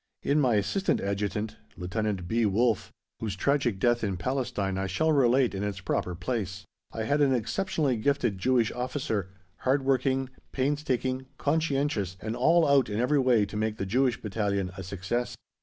In my Assistant Adjutant, Lt. B. Wolffe (whose tragic death in Palestine I shall relate in its proper place), I had an exceptionally gifted Jewish officer, hardworking, painstaking, conscientious, and all out in every way to make the Jewish Battalion a success.